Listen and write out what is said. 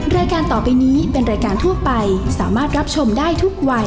รายการต่อไปนี้เป็นรายการทั่วไปสามารถรับชมได้ทุกวัย